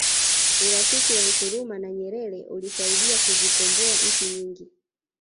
urafiki wa nkrumah na nyerere ulisaidia kuzikomboa nchi nyingi